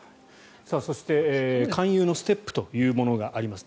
そして勧誘のステップというものがあります。